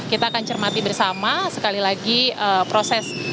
kita akan cermati bersama sekali lagi proses